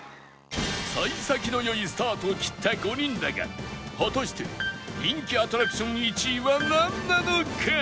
幸先の良いスタートを切った５人だが果たして人気アトラクション１位はなんなのか？